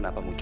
ya ampun ibu